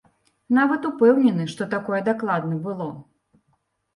Нават упэўнены, што такое дакладна было.